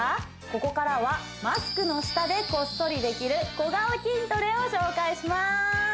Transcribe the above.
ここからはマスクの下でこっそりできる小顔筋トレを紹介します